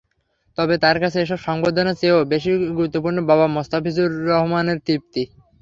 তবে তাঁর কাছে এসব সংবর্ধনার চেয়েও বেশি গুরুত্বপূর্ণ বাবা মোস্তাফিজুর রহমানের তৃপ্তি।